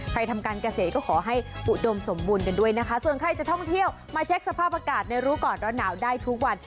ทำการเกษตรก็ขอให้อุดมสมบูรณ์กันด้วยนะคะส่วนใครจะท่องเที่ยวมาเช็คสภาพอากาศในรู้ก่อนร้อนหนาวได้ทุกวัน